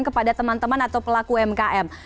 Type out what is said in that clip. kepada teman teman atau pelaku umkm